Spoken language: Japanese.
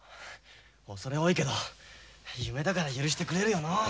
おそれ多いけど夢だから許してくれるよのう。